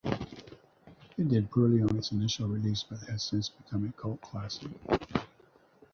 It did poorly on its initial release, but has since become a cult classic.